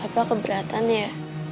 papa keberatan ya